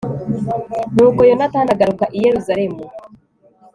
nuko yonatani agaruka i yeruzalemu